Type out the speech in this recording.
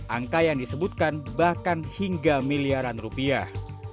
angka yang disebutkan bahkan hingga miliaran rupiah